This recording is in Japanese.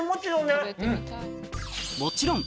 もちろん